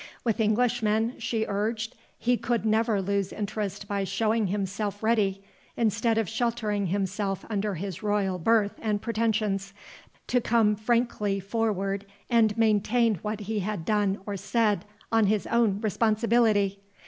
With Englishmen, she urged, he could never lose interest by showing himself ready, instead of sheltering himself under his royal birth and pretensions, to come frankly forward and maintain what he had done or said on his own responsibility.